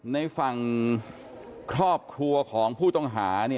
ในฝั่งครอบครัวของผู้ต้องหา